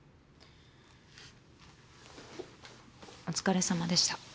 お疲れさまでした。